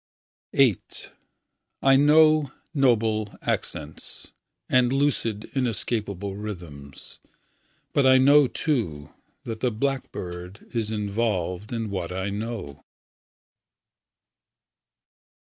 VIII I know noble accents And lucid, inescapable rythms; But I know, too, That the blackbird is involved In what I know.